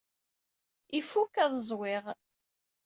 Ifuk ad ẓwiɣ.